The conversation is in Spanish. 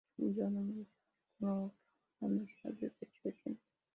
John's University School of Law, una universidad de Derecho en Queens.